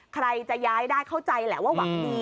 ใครจะย้ายได้เข้าใจแหละว่าหวังดี